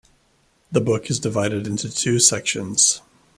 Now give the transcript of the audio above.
The book is divided into two sections.